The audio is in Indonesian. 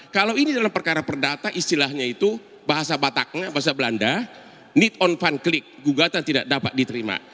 kalau ini dalam perkara perdata istilahnya itu bahasa bataknya bahasa belanda need on funclic gugatan tidak dapat diterima